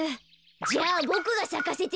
じゃあボクがさかせてあげるよ。